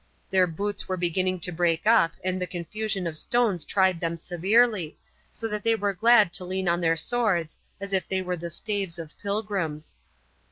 Their boots were beginning to break up and the confusion of stones tried them severely, so that they were glad to lean on their swords, as if they were the staves of pilgrims.